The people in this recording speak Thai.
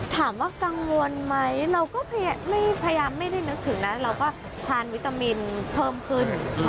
ถามว่ากังวลไหมเราก็พยายามไม่ได้นึกถึงนะเราก็ทานวิตามินเพิ่มขึ้น